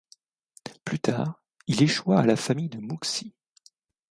Plus tard, il échoit à la famille de Mouxy.